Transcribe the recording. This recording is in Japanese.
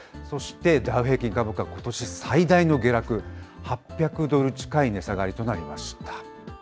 そしてダウ平均株価、ことし最大の下落、８００ドル近い値下がりとなりました。